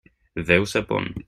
Déu sap on!